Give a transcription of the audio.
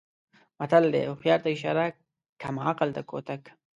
متل دی: هوښیار ته اشاره کم عقل ته کوتک.